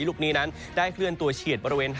เริ่มต้นวันนี้กับเรื่องราวของพายุในบริเวณ